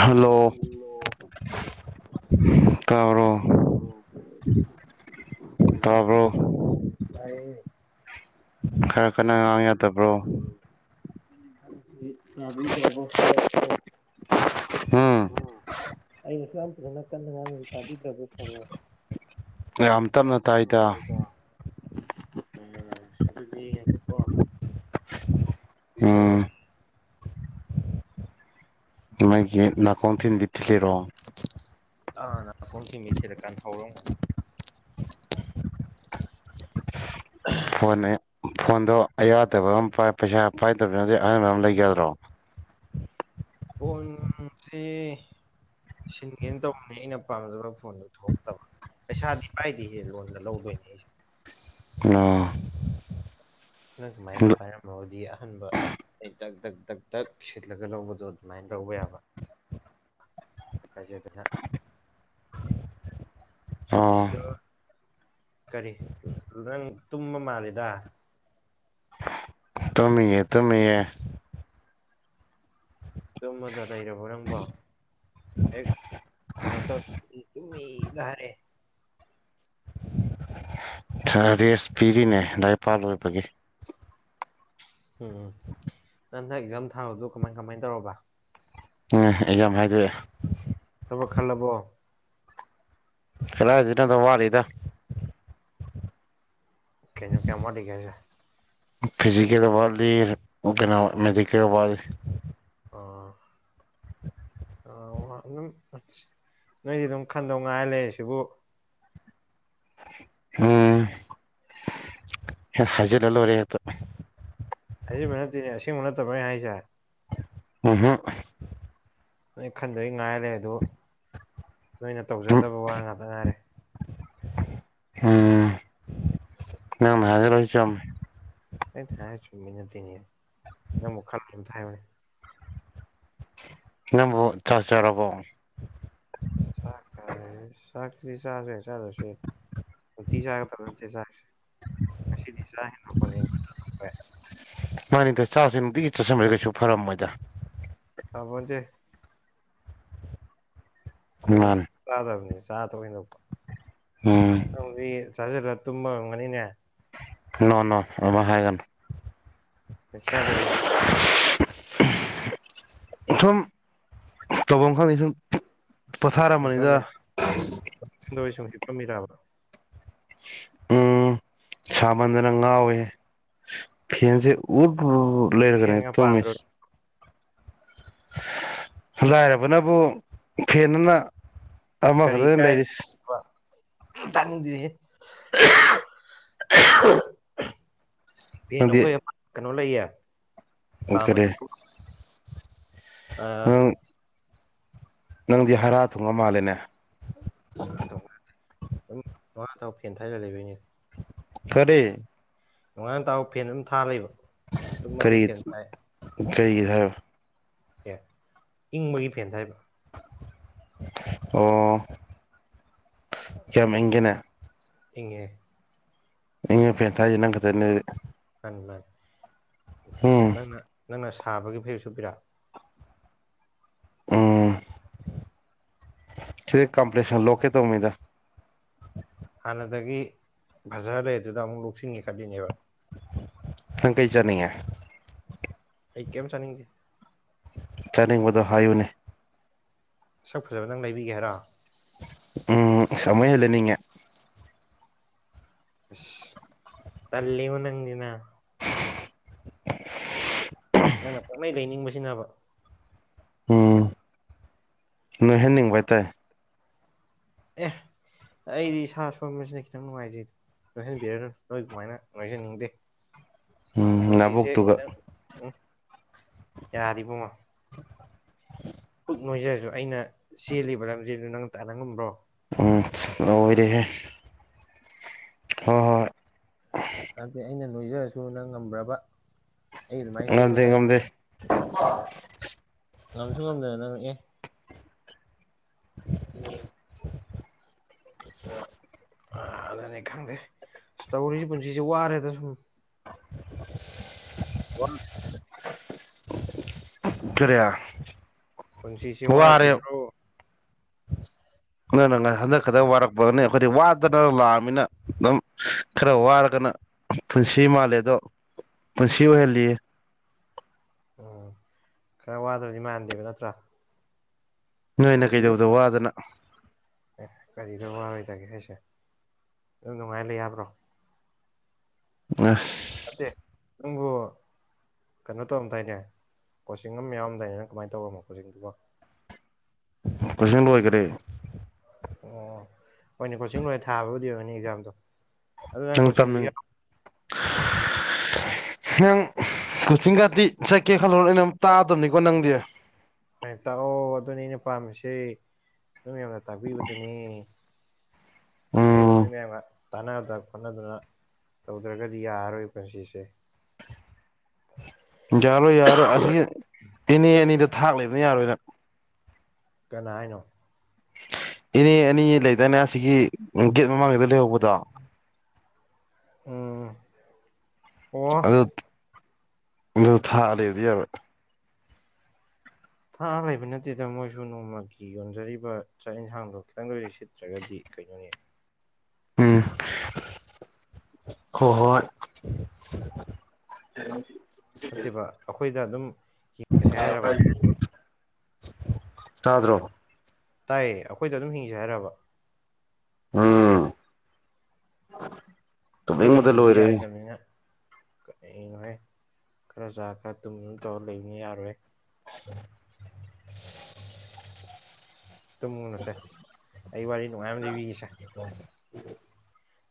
Hello ꯇꯥꯕꯔꯣ ꯎꯝ ꯇꯥꯏꯌꯦ ꯈꯔ ꯈꯟꯅ ꯉꯥꯡ ꯌꯥꯗꯕ꯭ꯔꯣ ꯗꯔꯁꯦ ꯎꯝ ꯑꯩꯩꯅ ꯁ ꯌꯥꯝꯁꯨꯅ ꯀꯟꯅ ꯉꯥꯡ ꯇꯕꯤꯗ꯭ꯔꯕ ꯌꯥꯝ ꯇꯞꯅ ꯁꯂꯇꯅꯣ ꯇꯥꯏ ꯇꯥꯏꯗ ꯑꯝ ꯁꯇ ꯊꯉꯦ ꯄꯄꯣ ꯈꯔ ꯎꯝ ꯃꯥꯒꯤ ꯅꯥꯀꯣꯟ ꯊꯤꯟꯕꯤ ꯊꯦꯔꯣ ꯑꯥ ꯅꯥꯀꯣꯡꯁꯤ ꯃꯤ ꯊꯤꯗꯀꯥꯟ ꯍꯧꯔꯝ ꯐꯣꯟꯅꯤ ꯐꯣꯟꯗꯣ ꯑꯌꯥꯗꯕ ꯑꯃ ꯄꯥꯏ ꯄꯩꯁꯥ ꯄꯥꯏꯗꯕꯅꯗꯤ ꯑꯍꯥꯟꯕ ꯑꯃ ꯂꯩꯒꯗ꯭ꯔꯣ ꯍꯟꯁꯤ ꯁꯤꯟꯒꯦꯅ ꯇꯧꯕꯅꯦ ꯑꯩꯅ ꯄꯥꯝꯖꯕ ꯐꯣꯟꯗꯨ ꯊꯣꯛꯍꯇꯕ ꯄꯩꯁꯥꯗ ꯀꯥꯏꯗꯤꯁꯦ ꯂꯣꯟꯗ ꯂꯧꯗꯣꯏꯅꯦ ꯑꯩꯁꯦ ꯑ ꯅ ꯁꯃꯥꯏꯅ ꯄꯥꯏꯔꯝꯃꯕꯗꯤ ꯑꯍꯟꯕ ꯑꯩ ꯇꯛ ꯇꯛ ꯇꯛ ꯇꯛ ꯁꯤꯜꯂꯒ ꯂꯧꯕꯗꯣ ꯑꯗꯨꯃꯥꯏꯅ ꯂꯧꯕ ꯌꯥꯕ ꯍꯥꯏꯁꯦꯗ ꯑꯣ ꯑꯗꯣ ꯀꯔꯤ ꯅꯪ ꯇꯨꯝꯕ ꯃꯥꯜꯂꯤꯗ ꯇꯃꯤ ꯌꯦ ꯇꯃꯤ ꯌꯦ ꯑꯗꯨꯝ ꯃꯖ ꯂꯩꯔꯕꯣ ꯅꯪꯕꯣ ꯍ ꯀꯩꯅꯣꯃꯤ ꯏ ꯂꯍꯔꯦ ꯔꯦꯁ ꯄꯤꯔꯤꯅꯦ ꯂꯗꯥꯏꯄꯥꯥꯛ ꯂꯣꯏꯕꯒꯤ ꯎꯝ ꯎꯝ ꯅ ꯅꯟꯊ ꯑꯦꯛꯖꯥꯝ ꯊꯥꯔꯗꯣ ꯀꯃꯥꯏ ꯀꯃꯥꯏꯅ ꯇꯧꯔꯕ ꯎꯝ ꯑꯩ ꯌꯥꯝ ꯍꯥꯏꯗꯣꯛꯑꯦ ꯊꯕꯛ ꯈꯜꯂꯕꯣ ꯈꯂꯖꯤꯅꯗ ꯋꯥꯗꯦꯗꯦ ꯀꯩꯅꯣ ꯀꯌꯥꯝ ꯋꯥꯠꯂꯤꯒꯦ ꯍꯥꯢꯖꯦ ꯐꯤꯖꯤꯀꯦꯜꯗ ꯋꯥꯠꯂꯤ ꯀꯩꯅꯣ ꯃꯦꯗꯤꯀꯦꯜ ꯋꯥꯠꯂꯤ ꯑꯣ ꯑ ꯑꯗꯨꯝ ꯑꯁ ꯅꯣꯏꯁꯤ ꯑꯗꯨꯝ ꯈꯟꯗꯧ ꯉꯥꯏꯔ ꯂꯩ ꯁꯤꯕꯨ ꯎꯝ ꯍꯖꯤꯔꯂꯔꯦ ꯍꯥꯏꯛꯇ ꯑꯁꯦꯡꯕ ꯅꯠꯇꯦ ꯑꯁꯦꯡꯕ ꯅꯠꯇꯕꯅꯦ ꯍꯥꯏꯁꯦ ꯍ ꯍꯣ ꯅꯣꯏ ꯈꯟꯗꯣꯏ ꯉꯥꯏꯔꯔꯦ ꯑꯗ ꯅꯣꯏꯅ ꯇꯧꯖꯗꯕ ꯋꯥ ꯉꯥꯛꯇ ꯉꯥꯏꯔꯦ ꯎꯝ ꯅ ꯃꯦꯣꯏ ꯆꯝ ꯑꯩ ꯊ ꯆꯨꯝꯃꯤ ꯅꯠꯇꯦꯅꯦ ꯅꯪ ꯑꯃꯨꯛ ꯈꯥ ꯑꯝ ꯊ ꯍꯥꯏꯌꯣꯅꯦ ꯅꯪꯕꯨ ꯆꯠ ꯆꯔꯕꯣ ꯁꯥꯥꯏ ꯁꯥꯠꯗꯤ ꯆꯁꯦ ꯆꯂꯁꯦ ꯇ ꯆꯒ ꯇꯖ ꯀꯖꯒ ꯃꯥꯅꯤꯗ ꯆꯥꯛꯥꯁꯦ ꯅꯨꯡꯇꯤꯒꯤ ꯆꯠꯁꯟꯕ ꯀꯩꯁꯨ ꯐꯔꯝꯃꯣꯏꯗ ꯇꯕꯣ ꯗꯦ ꯑꯗꯨꯅ ꯑꯩ ꯃꯥꯅꯤ ꯆꯥꯗꯕꯅꯦ ꯆꯥꯗ ꯑꯣꯏꯅꯧꯕ ꯎꯝ ꯗꯤ ꯆꯥꯁꯤꯂ ꯇꯨꯝꯕ ꯉꯝꯒꯅꯤꯅꯦ ꯅ ꯅ ꯑꯃ ꯍꯥꯏꯒꯅ ꯄꯩꯁꯥꯗꯕꯤ ꯎ ꯏ ꯊꯨꯝ ꯇꯧꯕ ꯈꯨꯝ ꯍꯤꯄꯝꯃꯦ [inaudible] ꯍꯐꯝꯝꯃꯤ ꯇꯥꯕ꯫ ꯎꯝ ꯁꯥꯃꯟꯗꯅ ꯉꯥꯎꯋꯦ꯫ ꯐꯦꯟꯁꯦ ꯎꯔ ꯂꯩꯔꯒꯅꯦ ꯐꯦꯟꯒ ꯄꯥꯟꯗ꯭ꯔꯣ ꯇꯨꯝꯏꯁꯤ꯫ ꯂꯥꯏꯔꯕꯅꯕꯨ ꯐꯦꯟꯅ ꯀꯔꯤ ꯀꯥꯏꯔꯤ [inaudible] ꯇꯥꯅꯤꯡꯗꯦꯍꯦ꯫ [unintelligible] [unintelligible] ꯐꯦ ꯅꯪꯗꯤ ꯑꯈꯣꯏ ꯀꯩꯅꯣ ꯂꯩꯌꯦ ꯀꯔꯤ ꯄꯥꯝꯃꯗꯤ꯫ ꯑꯥ ꯅꯪ ꯅꯪꯗꯤ ꯍꯥꯔꯥ ꯊꯨꯡꯉ ꯃꯥꯜꯂꯦꯅꯦ꯫ [inaudible] ꯐꯦꯟ ꯊꯥꯔ ꯂꯩꯕꯩꯅꯦ꯫ ꯀꯔꯤ꯫ ꯅꯨꯡꯉꯥꯏꯅ ꯇꯥꯑꯣ ꯐꯦꯟ ꯑꯗꯨꯝ ꯊꯥ ꯂꯩꯕ꯫ ꯇꯨꯝꯃꯁꯨ ꯀꯔꯤ ꯐꯦꯟ ꯊꯥꯏ ꯀꯔꯤꯒꯤꯗ ꯍꯥꯏ ꯑꯦ ꯏꯪꯕꯒꯤ ꯐꯦꯟ ꯊꯥꯏꯕ꯫ ꯑꯣ ꯀꯌꯥꯝ ꯏꯪꯒꯦꯅꯦ꯫ ꯏꯪꯉꯦ꯫ ꯏꯪꯉ ꯐꯦꯟꯊꯥꯏꯁꯦ ꯅꯪ ꯈꯠꯇꯅꯦ꯫ [inaudible] ꯅꯪꯅ ꯎꯝ ꯅꯪꯅ ꯁꯥꯕꯒꯤ ꯐꯩꯖꯨꯞ ꯁꯨꯞꯄꯤꯔꯥ꯫ ꯎꯝ ꯁꯤꯗꯩ ꯀꯝꯄ꯭ꯂꯦꯛꯁꯟ ꯂꯣꯛꯀꯦ ꯇꯧꯕꯅꯤꯗ꯫ ꯍꯥꯟꯅꯗꯒꯤ ꯕꯖꯔ ꯂꯩꯗꯨꯗ ꯑꯃꯨꯛ ꯂꫭꯛꯁꯤꯟꯒꯦ ꯈꯠꯂꯤꯅꯦꯕ꯫ ꯅꯪ ꯀꯩ ꯆꯠꯅꯤꯡꯉꯦ꯫ ꯑꯩ ꯀꯩꯝ ꯆꯥꯅꯤꯡꯗꯦ꯫ ꯆꯥꯅꯤꯡꯕꯗꯣ ꯍꯥꯏꯌꯨꯅꯦ꯫ ꯁꯛ ꯐꯖꯕ ꯅꯪ ꯂꯩꯕꯤꯒꯦ ꯍꯥꯏꯔꫭ꯫ ꯎꯝ ꯑꯁ ꯑꯃꯨꯛ ꯍꯦꯟꯅ ꯂꯩꯅꯤꯡꯑꯦ꯫ ꯑꯁ ꯇꯜꯂꯦꯕꯣ ꯅꯪꯖꯤ ꯅꯥ꯫ ꯅꯪꯅ ꯄꯛꯅꯩ ꯂꯩꯅꯤꯡꯕꯁꯤꯅꯕ꯫ ꯎꯝ ꯅꯣꯏꯍꯟꯅꯤꯡꯕ ꯍꯥꯏꯇꯥꯥꯔꯦ꯫ ꯑꯦ ꯑꯩꯗꯤ ꯏꯁꯥ ꯁꯣꯟꯕꯁꯤꯅ ꯈꯤꯇꯪ ꯅꯨꯡꯉꯥꯏꯖꯩꯗ꯫ ꯅꯣꯏꯍꯟꯕꯤꯔꯅꯨ ꯅꯣꯏ ꯗꯨꯃꯥꯏꯅ ꯅꯣꯏꯖꯅꯤꯡꯗ꯭ꯔꯦ꯫ ꯎꯝ ꯄꯨꯟꯁꯤꯁꯦ ꯅꯥꯕꯣꯛꯇꯨꯒ ꯈꯤꯇꯪ ꯎꯝ ꯌꯥꯔꯤꯕꯣꯃꯣ [unintelligible] ꯄꯨꯛ ꯅꯣꯏꯖꯔꯁꯨ ꯑꯩꯅ ꯆꯦꯜꯂꯤꯕ ꯂꯝꯖꯦꯟꯗꯨ ꯅꯪ ꯇꯥꯟꯅ ꯉꯝꯕ꯭ꯔꯣ꯫ ꯎꯝ ꯂꯣꯏꯔꯦꯍꯦ ꯍꯣꯏ ꯍꯣꯏ꯫ [inaudible] ꯑꯩꯅ ꯅꯣꯏꯖꯔꯁꯨ ꯅꯪ ꯉꯝꯕ꯭ꯔꯕ꯫ ꯑꯩ ꯑꯗꯨꯃꯥꯏꯅ ꯆꯦꯟꯕ ꯉꯝꯗꯦ ꯅꯪ ꯉꯝꯗꯦ ꯉꯝꯁꯨ ꯉꯝꯗꯅ ꯅꯪ ꯑꯦ꯫ [inaudible] ꯑꯥ ꯑꯗꯨꯅꯤ ꯈꯪꯗꯦ ꯑꯁ ꯇꯧꯔꯤꯁꯦ ꯄꯨꯟꯁꯤꯁꯦ ꯋꯥꯔꯦꯗ ꯁꯨꯝ꯫ [unintelligible] [inaudible] ꯀꯔꯤ꯫ ꯄꯨꯟꯁꯤꯁꯦ ꯋꯥꯔꯦ ꯋꯥꯗ꯭ꯔꯤꯕ꯭ꯔꯣ꯫ ꯅꯪꯅ ꯉ ꯍꯟꯗꯛ ꯈꯛꯇꯪ ꯋꯥꯔꯛ ꯄꯅꯤ ꯑꯈꯣꯏꯗꯤ ꯋꯥꯗꯅ ꯂꯥꯛꯑꯃꯤꯅ ꯑꯗꯨꯝ ꯈꯔ ꯋꯥꯔꯒꯅ ꯄꯨꯟꯁꯤ ꯃꯥꯜꯂꯦ ꯑꯗꯣ ꯄꯨꯟꯁꯤ ꯑꯣꯏꯍꯜꯂꯤꯌꯦ꯫ ꯎꯝ ꯈꯔ ꯋꯥꯗ꯭ꯔꯗꯤ ꯃꯥꯟꯗꯦꯕ ꯅꯠꯇ꯭ꯔꯥ꯫ ꯅꯣꯏꯅ ꯇꯧꯕꯤꯌꯨ ꯀꯩꯗꯧꯕꯗ ꯋꯥꯗꯅ꯫ ꯑꯦ ꯀꯔꯤꯗ ꯋꯥꯔꯣꯏꯗꯒꯦ ꯍꯥꯏꯁꯦ ꯑꯗꯨꯝ ꯅꯨꯡꯉꯥꯏ ꯂꯩ ꯌꯥꯕ꯭ꯔꯣ꯫ ꯑꯁ ꯅꯠꯇꯦ ꯅꯪꯕꯨ ꯀꯩꯅꯣ ꯇꯧꯔꯝꯗꯥꯏꯅꯦ ꯀꯣꯆꯤꯡ ꯑꯃ ꯌꯥꯎꯔꯝꯗꯥꯏꯅ‌ꯦ ꯅꯪ ꯀꯃꯥꯏꯅ ꯇꯧꯔꯝꯃꯣ ꯀꯣꯆꯤꯡꯗꯨꯕ‌ꯣ ꯀꯣꯏꯁꯟ ꯂꯣꯏꯒꯔꯦ ꯍꯣꯏꯅꯦ ꯀꯣꯆꯤꯡ ꯂꯣꯏ ꯊꯥꯕꯕꯨꯗꯤ ꯑꯣꯏꯅꯤ ꯑꯦꯛꯖꯥꯝꯗꯣ ꯑꯗꯨ ꯅꯪ ꯇꯪ ꯀꯣꯆꯤꯡꯁꯤ ꯇꯝꯅꯤꯡ ꯌꯥꯎ ꯅꯪ ꯀꯣꯆꯤꯡ ꯀꯥꯗꯤ ꯆꯠꯀꯦ ꯈꯜꯂꯣ ꯑꯩꯅ ꯑꯃꯨꯛ ꯇꯥꯛꯑꯗꯕꯅꯤꯀꯣ ꯅꯪꯗꯤ ꯍꯌꯦ ꯇꯥꯛꯑꯣ ꯑꯗꯨꯅꯤ ꯑꯩꯅ ꯄꯥꯝꯃꯤꯁ‌ꯦ ꯅꯣꯏ ꯃꯌꯥꯝꯅ ꯇꯥꯛꯄꯤꯕꯗꯨꯅ‌ꯦ ꯑꯍꯩꯕ ꯎꯝ ꯅꯣꯏ ꯃꯌꯥꯝꯒ ꯇꯥꯟꯅꯗꯅ ꯈꯣꯠꯅꯗꯅ ꯇꯧꯗ꯭ꯔꯒꯗꯤ ꯌꯥꯔꯔꯣꯏ ꯄꯨꯟꯁꯤꯁꯦ ꯌꯥꯔꯣꯏ ꯌꯥꯔꯣꯏ ꯑꯁꯤꯒꯤ ꯏꯅꯦ ꯑꯅꯤꯗ ꯊꯥꯛ ꯂꯩꯕꯅ ꯌꯥꯔꯣꯏ ꯅꯪ ꯀꯅꯥ ꯍꯥꯏꯅꯣ ꯏꯅꯦ ꯑꯅꯤ ꯂꯩꯗꯥꯏꯅꯦ ꯑꯁꯤꯒꯤ ꯒꯦꯠ ꯃꯃꯥꯡꯒꯤꯗ ꯂꯩꯍꯧꯕꯗꯣ ꯎꯝ ꯑꯣ ꯑꯗꯨ ꯑꯗꯨ ꯊꯥꯛ ꯑ ꯂꯩꯕꯗꯤ ꯌꯥꯔ‌ꯣꯏ ꯊꯥꯛ ꯑ ꯂꯩꯕ ꯅꯠꯇꯦꯗ ꯃꯣꯏꯁꯨ ꯅꯣꯡꯃꯒꯤ ꯌꯣꯟꯖꯔꯤꯕ ꯆꯥꯛ ꯌꯦꯟꯁꯥꯡꯗꯣ ꯈꯤꯇꯪ ꯗ ꯑ‌ꯣꯏꯔꯖꯨ ꯁꯤꯠꯇ꯭ꯔꯒꯗꯤ ꯀꯩꯅꯣꯅ‌ꯦ ꯎꯝ ꯍꯣ ꯍꯣꯏ [inaudible] ꯐꯠꯇꯦꯕ ꯑꯩꯈꯣꯏꯗ ꯑꯗꯨꯝ ꯍꯤꯡꯉꯁꯦ ꯍꯥꯏꯔꯕ [unintelligible] ꯇꯗ꯭ꯔꯣ ꯇꯥꯏꯌꯦ ꯑꯩꯈꯣꯏꯗ ꯑꯗꯨꯝ ꯍꯤꯡꯁꯦ ꯍꯥꯏꯔꯕ ꯎꯝ ꯑꯩꯈꯣꯏꯗ ꯇꯨꯝꯅꯤꯡꯕꯗ ꯍꯤꯡꯕꯗꯤ ꯂꯣꯏꯔꯦ ꯌꯥꯔ‌ꯣꯗꯕꯅꯤꯅ ꯀꯔꯤꯅꯣ ꯍ‌ꯦ ꯈꯔ ꯆ ꯈꯔ ꯇꯨꯝ ꯇꯧꯔꯒ ꯂꯩꯕꯅꯤ ꯌꯥꯔꯣꯏ ꯍ‌ꯦ [inaudible] ꯇꯨꯝꯃꯨꯅꯨꯁꯦ ꯑꯩ ꯋꯥꯔꯤ ꯅꯨꯡꯉꯥꯏ ꯑꯃ ꯂꯤꯕꯤꯒ‌ꯦꯁꯦ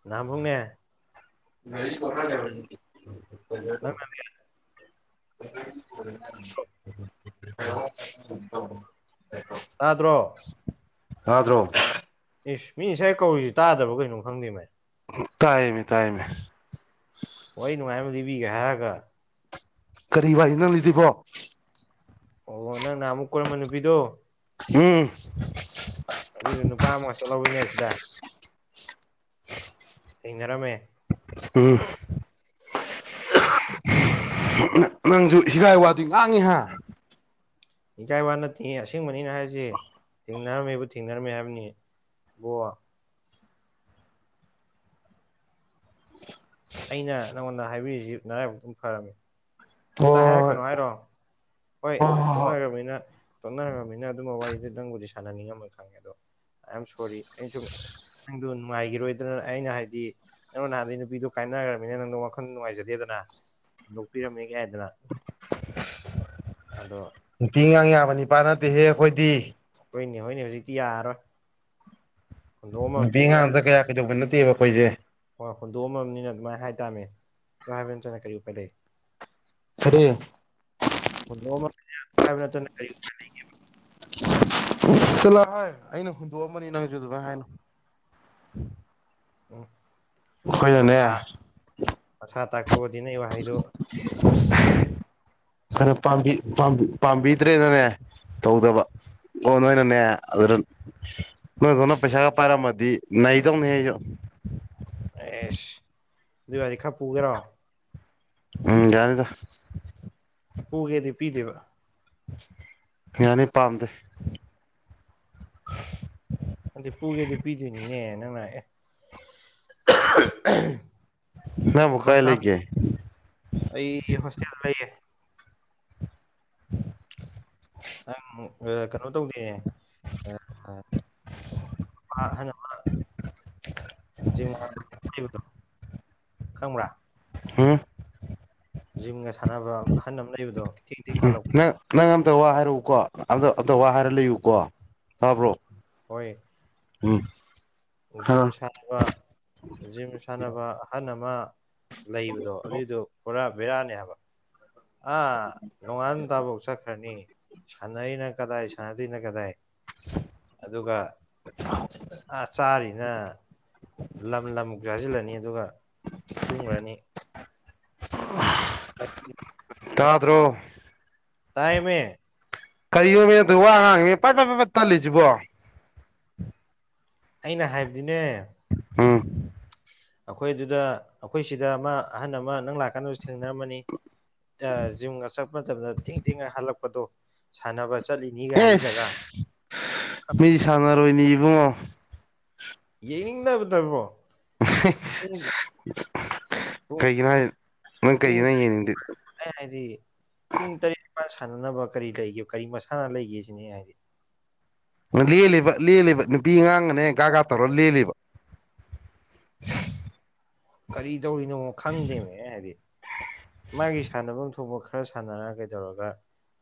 ꯅꯍꯥꯃꯨꯛꯅꯦ ꯒꯥꯔꯤ ꯄ‌ꯣꯈꯥꯏ ꯒꯔꯕꯅꯤ ꯕꯂ‍ꯦꯖꯔ ꯅꯪꯅ ꯗ‌ꯣ [unintelligible] ꯇꯥꯗ꯭ꯔꯣ ꯇꯗ꯭ꯔꯣ ꯏꯁ ꯃꯤ ꯉꯥꯁꯥꯏ ꯀꯧꯔꯤꯖꯤ ꯇꯥꯗꯕ ꯀꯩꯅꯣ ꯈꯪꯗꯦ ꯚꯥꯏ ꯇꯥꯌ‌ꯦꯃꯤ ꯇꯥꯌ‌ꯦꯃꯤ ꯋꯥꯔꯤ ꯅꯨꯡꯉꯥꯏꯕ ꯃ ꯂꯤꯕꯤꯒꯦ ꯍꯥꯏꯔꯒ ꯀꯔꯤ ꯋꯥꯔꯤꯅꯣ ꯅꯪ ꯂꯤꯗꯣꯏꯕꯣ ꯑꯣ ꯅꯪ ꯅꯍꯃꯨꯛ ꯀꯣꯏꯔꯝꯕ ꯅꯨꯄꯤꯗꯣ ꯎꯝ ꯑꯗꯨꯏꯗꯨ ꯅꯨꯄꯥ ꯑꯃꯒ ꯆꯠꯂꯧꯋꯤꯅꯦ ꯑꯁꯤꯗ [inaudible] ꯊꯦꯡꯅꯔꯝꯃꯦ ꯎꯝ ꯅꯪꯖꯨ ꯍꯤꯒꯥꯏ ꯋꯥꯗꯤ ꯉꯥꯡꯉꯤꯍꯥ ꯍꯤꯒꯥꯏꯋꯥ ꯅꯠꯇꯦ ꯑꯁꯦꯡꯕꯅꯤ ꯑꯩꯅ ꯍꯥꯏꯔꯤꯖ‌ꯦ ꯊꯦꯡꯅꯔꯝꯃꯦꯕꯨ ꯊꯦꯡꯅꯔꯝꯃꯦ ꯍꯥꯏꯕꯅꯤ ꯕꯣ ꯑꯩꯅ ꯅꯪꯉꯣꯟꯗ ꯍꯥꯏꯕꯤꯔꯤꯖꯤ ꯅꯔꯥꯏꯕꯛ ꯇꯨꯝ ꯐꯔꯝꯃꯤ ꯇ ꯍꯣꯏ ꯍꯥꯏꯔꯛꯀꯅꯣ ꯍꯥꯏꯔꯣ ꯍꯣꯏ ꯇꯣꯛꯅꯒ꯭ꯔꯕꯅꯤꯅ ꯇꯣꯛꯅꯒ꯭ꯔꯕꯅꯤꯅ ꯑꯗꯨꯝꯕ ꯋꯥꯔꯤꯗꯨ ꯅꯪꯕꯨꯗꯤ ꯁꯥꯟꯅꯅꯤꯡꯉꯝꯃꯣꯏ ꯈꯪꯉꯦ ꯑꯗꯣ ꯑꯥꯏ ꯑꯦꯝ ꯁꯣꯔꯤ ꯑꯩ ꯁꯨꯝ ꯅꯪꯗ ꯅꯨꯡꯉꯥꯏꯒꯤꯔꯣꯏ ꯑꯗꯨꯅ ꯑꯩꯅ ꯍꯥꯏꯗꯤ ꯅꯪ ꯅꯍꯥꯗꯩ ꯅꯨꯄꯤꯗꯣ ꯀꯥꯏꯅꯒ꯭ꯔꯕꯅꯤꯅ ꯅꯪꯗꯣ ꯋꯥꯈꯟ ꯅꯨꯡꯉꯥꯏꯖꯗꯦꯗꯅ ꯍꯨꯟꯗ‌ꯣꯛ ꯄꯤꯔꯝꯃꯦ ꯀꯦ ꯍꯥꯏꯗꯅ [inaudible] ꯑꯗꯣ ꯅꯨꯄꯤ ꯑꯉꯥꯡ ꯌꯥꯕ ꯅꯤꯄꯥ ꯅꯠꯇꯦꯍꯦ ꯑꯈꯣꯏꯗꯤ ꯑꯈꯣꯏꯅꯦ ꯍꯣꯏꯅꯦ ꯍꯧꯖꯤꯛꯇꯤ ꯌꯥꯔꯔꯣꯏ ꯍꯨꯟꯗꯣꯛꯑꯝꯃ ꯅꯨꯄꯤ ꯑꯉꯥꯡꯗ ꯀꯌꯥ ꯀꯩꯗꯧꯕ ꯅꯠꯇꯦꯕ ꯈꯣꯏꯁꯦ ꯍꯣꯏ ꯍꯣꯟꯗꯣꯛꯑꯝꯃꯕꯅꯤꯅ ꯑꯗꯨꯃꯥꯏꯅ ꯍꯥꯏꯇꯥꯥꯃꯦ ꯍꯥꯏꯕ ꯅꯠꯇꯅ ꯀꯔꯤ ꯎꯄꯥꯏ ꯂꯩ [unintelligible] [inaudible] [inaudible] ꯆꯠꯂꯣ ꯍꯥꯏ ꯑꯩꯅ ꯍꯨꯟꯗꯣꯛꯑꯃꯕꯅꯤ ꯅꯪꯁꯨ ꯑꯗꯨꯃꯥꯏ ꯍꯥꯏꯅꯣ ꯎꯝ ꯑꯩꯈꯣꯏꯅꯅꯦ ꯃꯁꯥ ꯃꯁꯥ ꯇꯥꯛꯊꯣꯛꯑꯗꯤ ꯅꯪ ꯒꯤ ꯋꯥꯍꯩꯗꯨ ꯈꯔ ꯄꯥꯝꯕꯤ ꯄꯥꯝꯕꯤ ꯄꯥꯝꯕꯤꯗ꯭ꯔꯦꯅꯅꯦ ꯇꯧꯗꯕ ꯑꯣ ꯅꯣꯏꯅꯅꯦ ꯑꯗꯨꯗ ꯅꯣꯏꯗꯧꯅ ꯄꯩꯁꯥꯒ ꯄꯥꯏꯔꯛꯝꯃꯗꯤ ꯅꯩꯗꯧꯅꯤ ꯑꯩꯁꯨ ꯑꯦꯁ ꯑꯗꯨꯏ ꯋꯥꯗꯤ ꯈꯔ ꯄꯨꯒꯦꯔꯣ ꯎꯝ ꯌꯥꯅꯤꯗ ꯄꯨꯒꯦꯗꯤ ꯄꯤꯗꯣꯏꯕ ꯌꯥꯅꯤ ꯄꯥꯝꯗꯦ ꯅꯠꯇꯦ ꯄꯨꯒꯦꯗꯤ ꯄꯤꯗꯣꯏꯅꯤꯅꯦ ꯅꯪꯅ ꯑꯦ ꯅꯪꯕꯨ ꯂꯨꯄꯥ ꯀꯥꯏ ꯆꯥ ꯂꯩꯒꯦ ꯑꯩ ꯍꯣꯁꯇꯦꯜꯗ ꯂꯩꯌꯦ [unintelligible] ꯑꯥ ꯀꯩꯅꯣ ꯇꯧꯗꯦ [inaudible] ꯈꯪꯕ꯭ꯔꯥ ꯍꯝ ꯖꯤꯝꯒ ꯁꯥꯟꯅꯕ ꯑꯍꯟ ꯑꯃ ꯂꯩꯕꯗꯣ ꯊꯦꯡ ꯊꯦꯡ ꯍꯜꯂꯛ ꯅꯪ ꯅꯪ ꯑꯝꯇ ꯋꯥ ꯍꯥꯏꯔꯛꯎꯀꯣ ꯑꯝꯇ ꯑꯝꯇ ꯋꯥ ꯍꯥꯏꯔ ꯂꯩꯌꯨꯀꯣ ꯇꯥꯕ꯭ꯔꯣ ꯍꯣꯏ ꯎꯝ ꯍꯥ ꯖꯤꯝ ꯁꯥꯟꯅꯕ ꯖꯤꯝ ꯁꯥꯟꯅꯕ ꯑꯍꯜ ꯑꯃ ꯂꯩꯕꯗꯣ ꯑꯗꯨꯏꯗꯣ ꯄꯨꯔꯥ ꯕꯦꯔꯥꯅꯦ ꯍꯥꯏꯕ ꯑꯥ ꯅꯣꯡꯉꯥꯟ ꯇꯥꯕꯧ ꯆꯠꯈ꯭ꯔꯅꯤ ꯁꯥꯟꯅꯩꯅ ꯀꯗꯥꯏ ꯁꯥꯟꯅꯗꯣꯏꯅꯣ ꯀꯗꯥꯏ ꯑꯗꯨꯒ ꯑ ꯆꯥꯔꯤꯅ ꯂꯝ ꯂꯝ ꯆꯥꯁꯤꯜꯂꯅꯤ ꯑꯗꯨꯒ ꯇꯨꯝꯒ꯭ꯔꯅꯤ ꯇꯥꯗ꯭ꯔꯣ ꯇꯥꯏꯃꯦ ꯀꯔꯤꯅꯤꯃꯦ ꯑꯗꯨꯣ ꯋꯥ ꯉꯥꯡꯉꯤꯅꯦ ꯄꯠ ꯄꯠ ꯄꯠ ꯄꯠ ꯇꯠꯂꯤꯁꯤꯕꯣ ꯑꯩꯅ ꯍꯥꯏꯕꯗꯤꯅꯦ ꯎꯝ ꯑꯈꯣꯏ ꯑꯗꯨꯗ ꯑꯈꯣꯏ ꯁꯤꯗ ꯑꯃ ꯑꯍꯟ ꯑꯃ ꯅꯪ ꯂꯥꯛꯀꯥꯟꯗꯁꯨ ꯊꯦꯡꯅꯔꯝꯃꯅꯤ ꯖꯤꯝꯒ ꯆꯠꯄ ꯃꯇꯝꯗ ꯊꯦꯡ ꯊꯦꯡꯉꯥ ꯍꯜꯂꯛꯄꯗꯣ ꯁꯥꯟꯅꯕ ꯆꯠꯂꯤꯅꯤ ꯑꯦꯁ ꯃꯤ ꯁꯥꯟꯅꯔꯣꯏꯅꯤ ꯏꯕꯨꯡꯉꯣ ꯌꯦꯡꯅꯤꯡꯗꯕꯗ ꯏꯕꯣ ꯄꯨꯡ ꯀꯩꯒꯤꯅꯣ ꯍꯥꯏ ꯅꯪ ꯄꯨꯡ ꯀꯩꯒꯤꯅꯣ ꯌꯦꯡꯅꯤꯡꯗꯦ ꯑꯩ ꯍꯥꯏꯗꯤ ꯄꯨꯡ ꯇꯔꯦꯠ ꯅꯤꯄꯥꯥꯟ ꯁꯥꯟꯅꯅꯕ ꯀꯔꯤ ꯂꯩꯒꯦ ꯀꯔꯤ ꯃꯁꯥꯟꯅ ꯂꯩꯒꯦ ꯁꯤꯅꯦ ꯍꯥꯏꯗꯤ ꯂꯦꯜꯂꯤꯕ ꯂꯦꯜꯂꯤꯕ ꯅꯨꯄꯤ ꯑꯉꯥꯡꯒꯅꯦ ꯒꯥꯒꯥ ꯇꯧꯔ ꯂꯦꯜꯂꯤꯕ ꯀꯔꯤ ꯗꯧꯔꯤꯅꯣ ꯈꯪꯗꯦꯕ ꯑꯩ ꯍꯥꯏꯗꯤ ꯃꯥꯒꯤ ꯁꯥꯟꯅꯐꯝ ꯊꯣꯛꯐꯝ ꯈꯔ ꯁꯥꯟꯅꯔ ꯀꯩꯗꯧꯔꯒ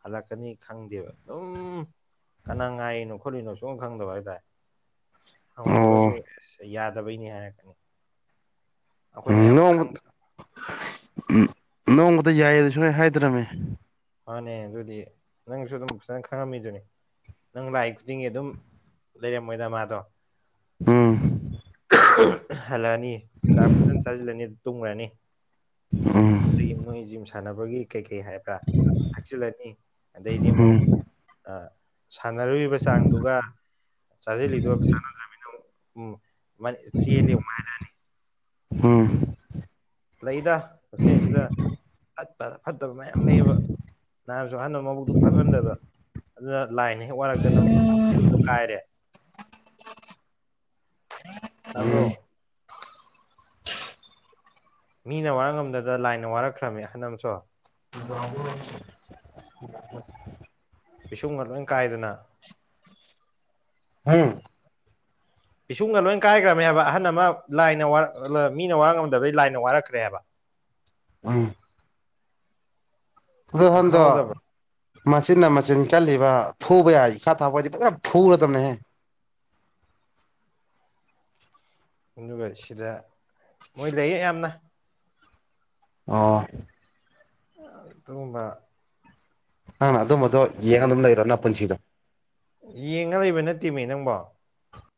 ꯍꯜꯂꯛꯀꯅꯤ ꯈꯪꯗꯦꯕ ꯑꯗꯨꯝ ꯀꯅꯥ ꯉꯥꯏꯔꯤꯅꯣ ꯈꯣꯠꯂꯤꯅꯣ ꯁꯨꯝ ꯈꯪꯗꯕ ꯍꯥꯏꯇꯥꯔꯦ ꯍꯪꯉꯨꯔꯒꯁꯨ ꯑꯣ ꯑꯁ ꯌꯥꯗꯕꯩꯅꯤ ꯍꯥꯏꯔꯛꯀꯅꯤ ꯎꯝ ꯑꯩꯈꯣꯏꯅ ꯌꯥꯝ ꯅꯣꯡ ꯈꯪ ꯎꯝ ꯅꯣꯡꯃꯇ ꯌꯥꯏꯌꯦꯗ ꯁꯨꯡ ꯍꯥꯏꯗ꯭ꯔꯝꯃꯦ ꯃꯥꯟꯅꯦ ꯑꯗꯨꯗꯤ ꯅꯪꯁꯨ ꯑꯗꯨꯝ ꯐꯖꯅ ꯈꯪꯉꯝꯃꯤꯗꯨꯅꯤ ꯅꯪ ꯂꯥꯛꯏ ꯈꯨꯗꯤꯡꯒꯤ ꯑꯗꯨꯝ ꯂꯩꯔꯝꯃꯣꯏꯗ ꯃꯗꯣ ꯎꯝ ꯍꯜꯂꯛꯑꯅꯤ ꯆꯥꯛ ꯐꯖꯅ ꯆꯥꯖꯤꯜꯂꯅꯤ ꯑꯗꯨ ꯇꯨꯝꯒ꯭ꯔꯅꯤ ꯎꯝ ꯑꯗꯨꯒꯤ ꯃꯣꯏ ꯖꯤꯝ ꯁꯥꯟꯅꯕꯒꯤ ꯀꯩ ꯀꯩ ꯍꯥꯏꯕ꯭ꯔꯥ ꯊꯛꯆꯤꯜꯂꯅꯤ ꯑꯗꯩꯗꯤ ꯑꯃꯨꯛ ꯎꯝ ꯑ ꯁꯥꯟꯅꯔꯨꯔꯤꯕ ꯆꯥꯡꯗꯨꯒ ꯆꯥꯖꯤꯜꯂꯤꯗꯨꯒ ꯆꯥꯟꯅꯗ꯭ꯔꯃꯤꯅ ꯑꯃꯨꯛ ꯎꯝ ꯃꯥꯗꯤ ꯆꯦꯜꯂꯦ ꯑꯃꯨꯛ ꯍꯥ ꯎꯝ ꯂꯩꯗ ꯍꯛꯆꯦꯜꯁꯤꯗ ꯐꯠꯄ ꯐꯠꯇꯕ ꯃꯌꯥꯝ ꯂꯩꯌꯦꯕ ꯅꯍꯥꯟꯁꯨ ꯑꯍꯜ ꯑꯃꯥ ꯃꯕꯨꯛꯇꯨ ꯐꯠꯃꯟꯗꯕ ꯑꯗꯨꯅ ꯂꯥꯏꯅ ꯍꯦꯛ ꯋꯥꯔꯛꯇꯅ ꯄꯤꯁꯨꯝꯗꯣ ꯀꯥꯏꯔꯦ ꯇꯕ꯭ꯔꯣ ꯃꯤꯅ ꯋꯥꯔꯛ ꯉꯝꯗꯗ ꯂꯥꯏꯅ ꯋꯥꯔꯛꯈ꯭ꯔꯝꯃꯦ ꯍꯟꯅꯝꯁꯨ [unintelligible] ꯎꯝ ꯎꯝ ꯄꯤꯁꯨꯝꯒ ꯂꯣꯏꯟ ꯀꯥꯏꯗꯅ ꯍꯝ ꯄꯤꯁꯨꯝꯒ ꯂꯣꯏ ꯀꯥꯏꯈ꯭ꯔꯕꯃꯦ ꯍꯥꯏꯕ ꯑꯍꯟ ꯑꯃ ꯂꯥꯏꯅ ꯋꯥꯔꯛ ꯑ ꯃꯤꯅ ꯋꯥꯔꯛ ꯉꯝꯗꯕꯩ ꯂꯥꯏꯅ ꯋꯥꯔꯛꯈ꯭ꯔꯦ ꯍꯥꯏꯕ ꯎꯝ ꯗꯣ ꯅꯪ ꯍꯟꯗꯛ ꯈꯪꯍꯧꯗꯕ꯭ꯔꯣ ꯃꯆꯤꯟꯅ ꯃꯆꯤꯟ ꯀꯜꯂꯤꯕ ꯐꯨꯕ ꯌꯥꯔꯗꯤ ꯏꯈꯥ ꯊꯥꯕ ꯑꯣꯏꯗꯤ ꯐꯖꯅ ꯐꯨꯨꯔꯗꯕꯅꯦꯍꯦ ꯑꯗꯨꯒ ꯁꯤꯗ ꯃꯣꯏ ꯂꯩꯌꯦ ꯌꯥꯝꯅ ꯑꯣ ꯑꯗꯨꯒꯨꯝꯕ ꯅꯪꯅ ꯑꯗꯨꯝꯕꯗꯣ ꯌꯦꯡꯉ ꯑꯗꯨꯝ ꯂꯩꯔꯣ ꯅꯄꯨꯟꯁꯤꯗꯣ ꯌꯦꯡꯉ ꯂꯩꯕ ꯅꯠꯇꯦꯃꯦ ꯅꯪꯕꯣ